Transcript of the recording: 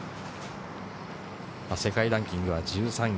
世界ランキングは１３位。